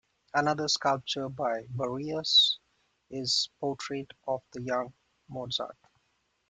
Another sculpture by Barrias is "Portrait of the Young Mozart".